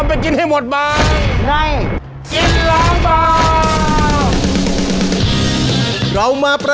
ดีเจนุ้ยสุดจีลา